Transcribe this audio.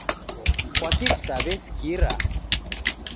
Kwaki kusawesikira